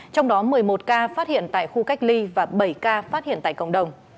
trong đó một mươi một ca phát hiện tại khu cách ly và bảy ca phát hiện tại cộng đồng